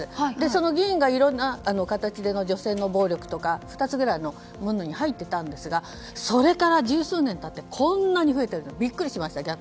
その議員がいろいろな形での女性の暴力とか２つぐらいのものに入っていたんですがそれから十数年経ってこんなに増えてるのにビックリしました。